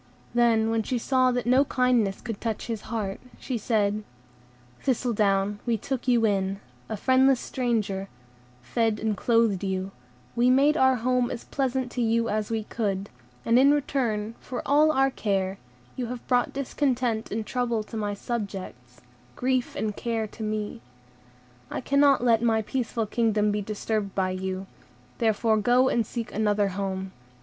Then, when she saw that no kindness could touch his heart, she said:— "Thistledown, we took you in, a friendless stranger, fed and clothed you, and made our home as pleasant to you as we could; and in return for all our care, you have brought discontent and trouble to my subjects, grief and care to me. I cannot let my peaceful kingdom be disturbed by you; therefore go and seek another home.